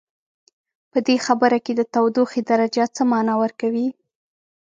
په دې خبر کې د تودوخې درجه څه معنا ورکوي؟